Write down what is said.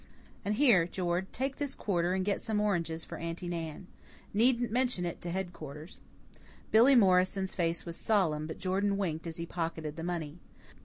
And here, Jord; take this quarter and get some oranges for Aunty Nan. Needn't mention it to headquarters." Billy Morrison's face was solemn, but Jordan winked as he pocketed the money.